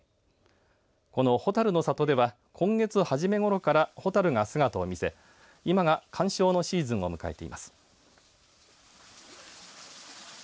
このホタルの里では今月初めごろからホタルが姿を見せ、今が鑑賞のシーズンを迎えています。